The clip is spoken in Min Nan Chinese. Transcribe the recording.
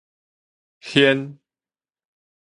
掀